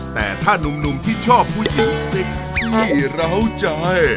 แต่ถ้าหนุ่มที่ชอบผู้หญิงเซ็กซี่ร้าวใจ